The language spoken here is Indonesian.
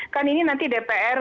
kan ini nanti dpr